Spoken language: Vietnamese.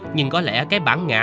nhưng có lẽ cái bản ngã